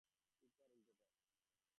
ঠিক তার উল্টো টা।